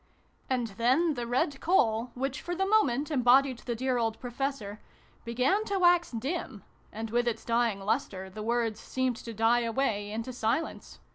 And then the red coal, which for the moment embodied the dear old Pro fessor, began to wax dim, and with its dying lustre the words seemed to die away into si lence.